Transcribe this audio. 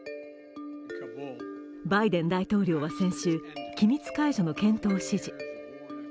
バイデン大統領は先週、機密解除の検討を指示。